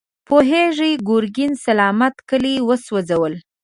پوهېږې، ګرګين سلامت کلي وسوځول.